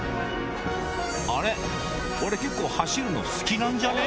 俺、結構走るの好きなんじゃね？